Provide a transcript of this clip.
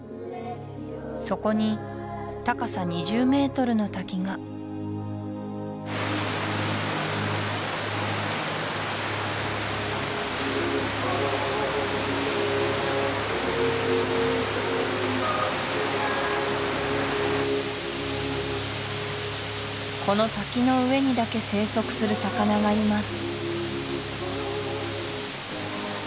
そこに高さ２０ｍの滝がこの滝の上にだけ生息する魚がいます